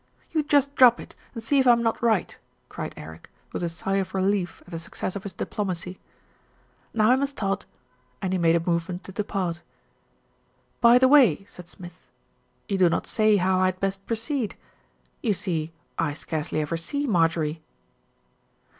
"You just drop it, and see if I'm not right," cried Eric, with a sigh of relief at the success of his diplo macy. "Now I must tod," and he made a movement to depart. "By the way," said Smith. "You do not say how I had best proceed. You see, I scarcely ever see Marjorie."